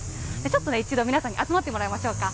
ちょっと、一度皆さんに集まってもらいましょうか。